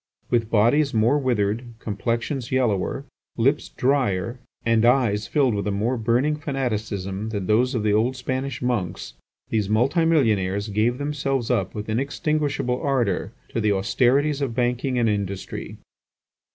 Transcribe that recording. With bodies more withered, complexions yellower, lips drier, and eyes filled with a more burning fanaticism than those of the old Spanish monks, these multimillionaires gave themselves up with inextinguishable ardour to the austerities of banking and industry.